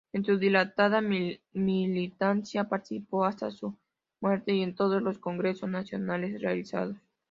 En su dilatada militancia participó hasta su muerte en todos los congresos nacionales realizados.